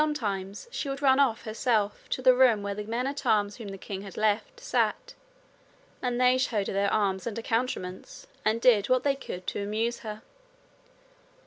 Sometimes she would run off herself to the room where the men at arms whom the king had left sat, and they showed her their arms and accoutrements and did what they could to amuse her.